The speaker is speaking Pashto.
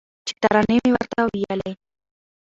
چي ترانې مي ورته ویلې